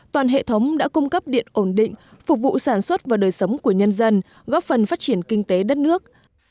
toàn hệ thống đã cung cấp điện ổn định phục vụ sản xuất và đời sống của nhân dân góp phần phát triển kinh tế đất nước